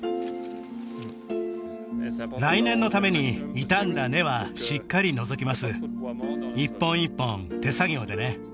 来年のために傷んだ根はしっかり除きます一本一本手作業でね